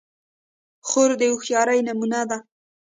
خور د هوښیارۍ نمونه ده.